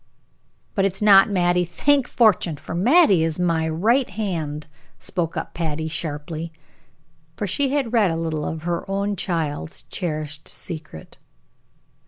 "But it's not Mattie, thank fortune, for Mattie is my right hand," spoke up Patty, sharply; for she had read a little of her own child's cherished secret.